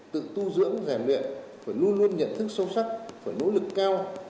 tự tu dưỡng giàn luyện phải luôn luôn nhận thức sâu sắc phải nỗ lực cao